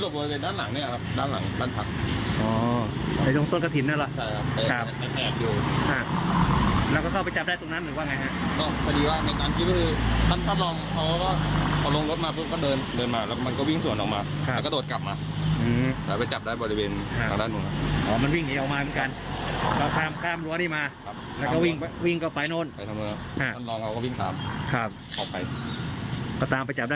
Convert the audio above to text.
ครับเอาไปตามไปจับได้ตรงโน้นครับนะครับ